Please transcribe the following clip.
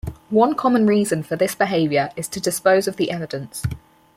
One common reason for this behavior is to dispose of the evidence.